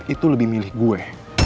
itu lebih milih gue